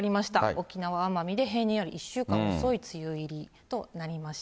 沖縄・奄美で、平年より１週間遅い梅雨入りとなりました。